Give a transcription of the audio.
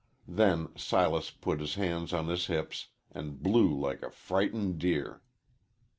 Then Silas put his hands on his hips and blew like a frightened deer.